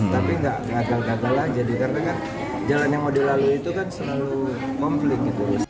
tapi gak gagal gagal lagi karena kan jalan yang mau dilalui itu kan selalu komplik